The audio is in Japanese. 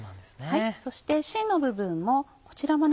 そして芯の部分もこちらもね